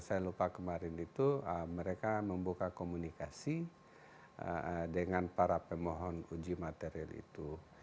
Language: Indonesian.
saya lupa kemarin itu mereka membuka komunikasi dengan para pemohon uji materi itu